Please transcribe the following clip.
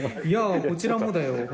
いやこちらもだよ